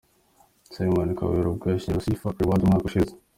Simon Kabera ubwo yashyikirizwaga Sifa Reward umwaka ushize.